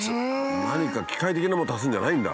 何か機械的なものを足すんじゃないんだ。